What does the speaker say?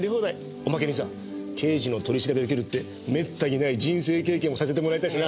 おまけにさ刑事の取り調べ受けるってめったにない人生経験もさせてもらえたしな。